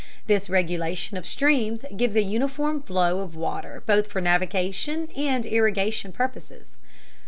This regulation of streams gives a uniform flow of water both for navigation and for irrigation purposes.